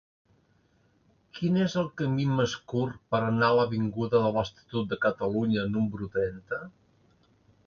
Quin és el camí més curt per anar a l'avinguda de l'Estatut de Catalunya número trenta?